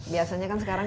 biasanya kan sekarang